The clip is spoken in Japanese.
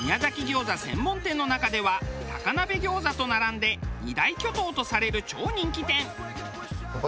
餃子専門店の中ではたかなべギョーザと並んで２大巨頭とされる超人気店。